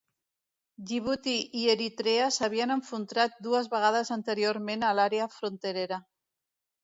Djibouti i Eritrea s'havien enfrontat dues vegades anteriorment a l'àrea fronterera.